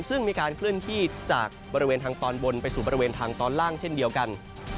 ซึ่งมีการเคลื่อนที่จากบริเวณทางตอนบนไปสู่บริเวณทางตอนล่างเช่นเดียวกัน